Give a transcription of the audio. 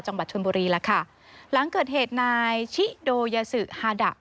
จังหวัดชนบุรีล่ะค่ะหลังเกิดเหตุนายชิโดยาสือฮาดะ